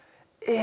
え